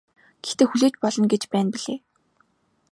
Гэхдээ хүлээж болно гэж байна билээ.